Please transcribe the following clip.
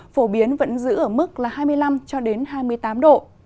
phổ biến vẫn giữ ở mức hai mươi năm hai mươi tám độ